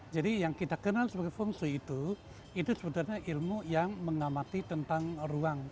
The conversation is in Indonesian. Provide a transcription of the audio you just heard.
jadi yang kita kenal sebagai feng shui itu itu sebenarnya ilmu yang mengamati tentang ruang